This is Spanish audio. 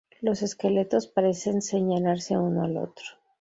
Los esqueletos parecen señalarse uno al otro.